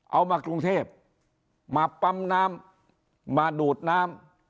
เอามากรุงเทพมาปั๊มน้ำมาดูดน้ำ